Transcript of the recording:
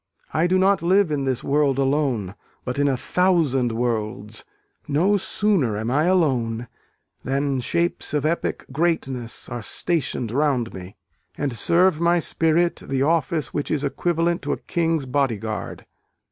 I do not live in this world alone, but in a thousand worlds. No sooner am I alone, than shapes of epic greatness are stationed round me, and serve my spirit the office which is equivalent to a King's Bodyguard."